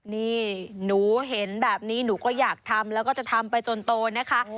นี่หนูเห็นแบบนี้หนูก็อยากทำแล้วก็จะทำไปจนโตนะคะ